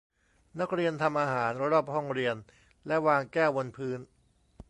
นักเรียนทำอาหารรอบห้องเรียนและวางแก้วบนพื้น